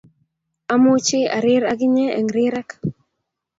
Amuchi arir ak inye eng rirek